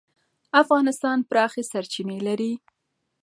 افغانستان پراخې سرچینې لري.